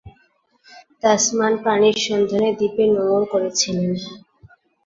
Tasman পানির সন্ধানে দ্বীপে নোঙ্গর করেছিলেন।